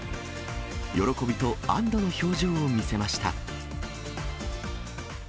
喜びと安どの表情を見せました。